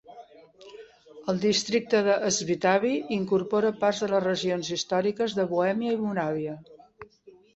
El districte de Svitavy incorpora parts de les regions històriques de Bohèmia i Moràvia.